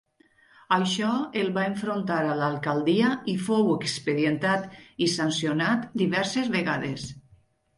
Això el va enfrontar a l'alcaldia i fou expedientat i sancionat diverses vegades.